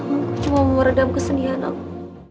aku cuma mau meredam kesenian aku